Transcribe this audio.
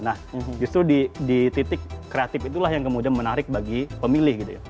nah justru di titik kreatif itulah yang kemudian menarik bagi pemilih gitu ya